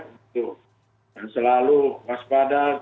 untuk selalu waspada